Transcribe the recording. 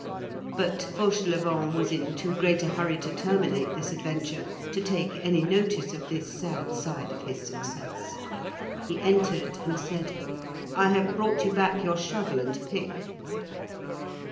But Fauchelevent was in too great a hurry to terminate this adventure to take any notice of this sad side of his success. He entered and said:— "I have brought you back your shovel and pick."